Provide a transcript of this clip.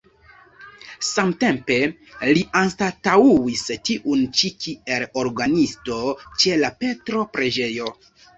Samtempe li anstataŭis tiun ĉi kiel orgenisto ĉe la Petro-preĝejo.